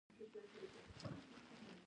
د دې پوښتنو تر منځ توپیر دېر مهم دی.